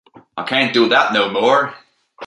I can't do that no more.